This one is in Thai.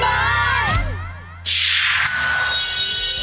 แม่บ้านประจัดบาย